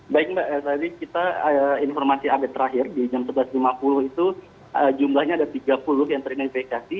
baik mbak tadi kita informasi update terakhir di jam sebelas lima puluh itu jumlahnya ada tiga puluh yang teridentifikasi